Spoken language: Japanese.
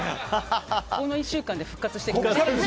この１週間で復活しました。